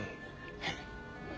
はい。